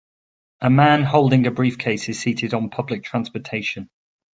A man holding a briefcase is seated on public transportation.